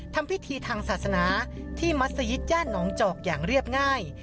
ทำพิธีทางศาสนาที่มัศยิตย่านน้องจอกอย่างเรียบง่าย